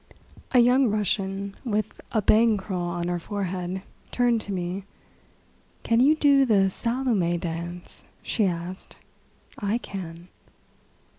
A young Russian, with a "bang" curl on her forehead, turned to me. "Can you do the 'Salome' dance?" she asked. "I can."